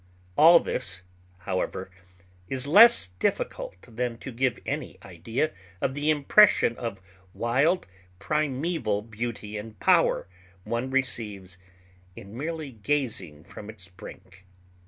All this, however, is less difficult than to give any idea of the impression of wild, primeval beauty and power one receives in merely gazing from its brink.